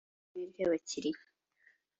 ishyirahamwe ry ababikira